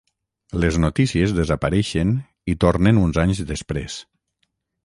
Les notícies desapareixen i tornen uns anys després.